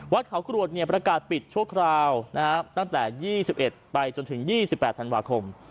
วัดเขากรวดประกาศปิดชั่วคราวตั้งแต่๒๑ไปจนถึง๒๘ธันวาคม